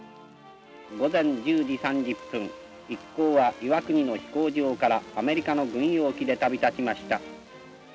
午前１０時３０分一行は岩国の飛行場からアメリカの軍用機で旅立ちました。